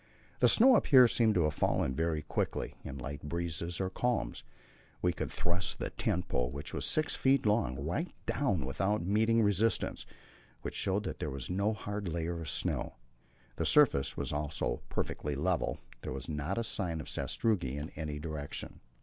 The snow up here seemed to have fallen very quietly, in light breezes or calms. We could thrust the tent pole, which was 6 feet long, right down without meeting resistance, which showed that there was no hard layer of snow. The surface was also perfectly level; there was not a sign of sastrugi in any direction.